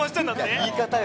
言い方よ